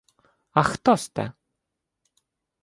— А хто сте?